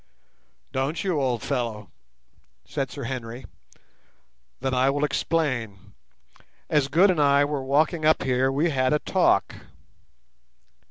"Don't you, old fellow?" said Sir Henry; "then I will explain. As Good and I were walking up here we had a talk."